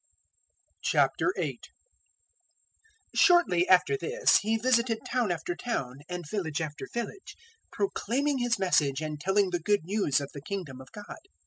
008:001 Shortly after this He visited town after town, and village after village, proclaiming His Message and telling the Good News of the Kingdom of God.